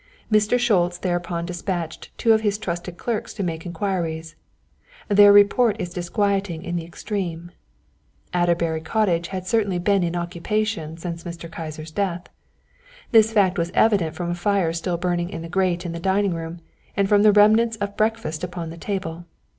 "Mr. Schultz thereupon dispatched two of his trusted clerks to make enquiries. Their report is disquieting in the extreme. Adderbury Cottage had certainly been in occupation since Mr. Kyser's death. This fact was evident from a fire still burning in the grate in the dining room and from the remains of breakfast upon the table.